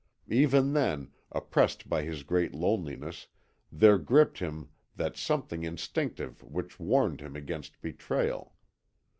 Even then, oppressed by his great loneliness, there gripped him that something instinctive which warned him against betrayal.